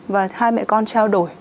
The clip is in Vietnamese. và hai mẹ con trao đổi